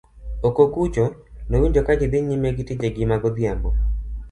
oko kucho nowinjo ka ji dhi nyime gi tije gi ma godhiambo